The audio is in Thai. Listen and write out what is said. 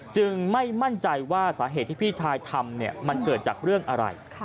ไม่มั่นใจว่าสาเหตุที่พี่ชายทำมันเกิดจากเรื่องอะไร